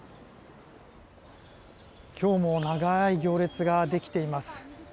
今日も長い行列ができています。